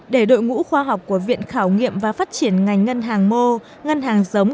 để đội ngũ khoa học của viện khảo nghiệm và phát triển ngành ngân hàng mô ngân hàng giống